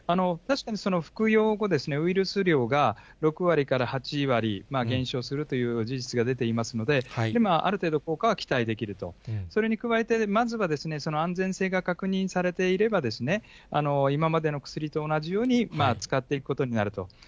確かに服用後、ウイルス量が６割から８割減少するという事実が出ていますので、ある程度、効果は期待できると、それに加えて、まずは、その安全性が確認されていれば、今までの薬と同じように使っていくことになると。